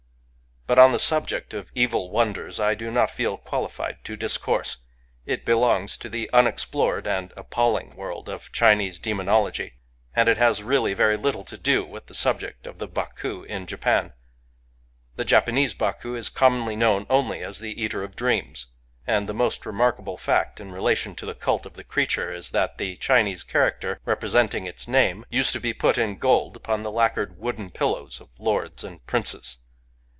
But on the subject of evil Wonders I do not feel qualified to discourse: it belongs to the un explored and appalling world of Chinese demonol ogy, and it has really very little to do with the subject of the Baku in Japan. The Japanese Baku is commonly known only as the Eater of Dreams; and the most remarkable fact in relation to the cult of the creature is that the Chinese character representing its name used to be put in gold upon the lacquered wooden pillows of lords] and princes.